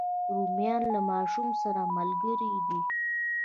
رومیان له ماشوم سره ملګري دي